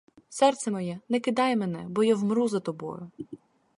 Серце моє, не кидай мене, бо я вмру за тобою!